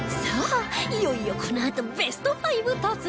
さあ、いよいよこのあとベスト５突入